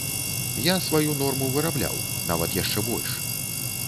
Я сваю норму вырабляў, нават яшчэ больш.